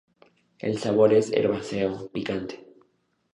El sabor es herbáceo, picante.